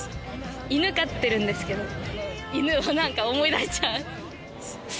犬飼ってるんですけど犬を思い出しちゃう。